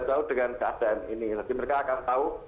jauh dengan keadaan ini nanti mereka akan tahu